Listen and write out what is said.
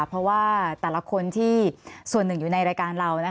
เพราะว่าแต่ละคนที่ส่วนหนึ่งอยู่ในรายการเรา